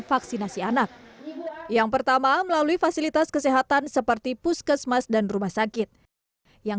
vaksinasi anak yang pertama melalui fasilitas kesehatan seperti puskesmas dan rumah sakit yang